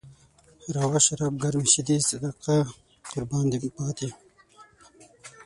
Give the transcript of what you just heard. روا شراب، ګرمې شيدې، صدقه قربان پاتې يم